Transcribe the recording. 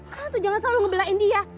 kalian tuh jangan selalu ngebelain dia